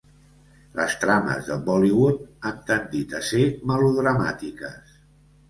Les trames de Bollywood han tendit a ser melodramàtiques.